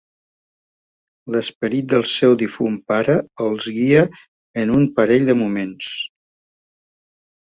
L'esperit del seu difunt pare els guia en un parell de moments.